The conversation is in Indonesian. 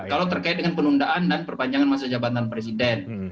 kalau terkait dengan penundaan dan perpanjangan masa jabatan presiden